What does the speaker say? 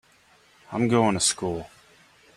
I'm going to school.